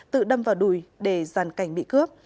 tự đâm vào đùi để giàn cảnh bị cướp